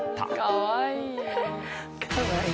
「かわいい」